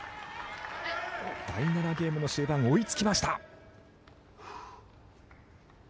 第７ゲームの終盤追いつきました。